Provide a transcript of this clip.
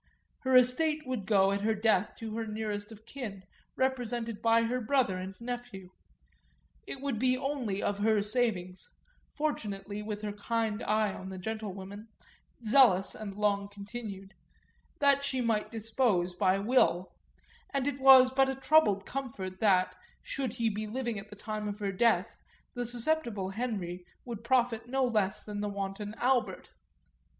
Her estate would go at her death to her nearest of kin, represented by her brother and nephew; it would be only of her savings fortunately, with her kind eye on the gentlewomen, zealous and long continued that she might dispose by will; and it was but a troubled comfort that, should he be living at the time of her death, the susceptible Henry would profit no less than the wanton Albert.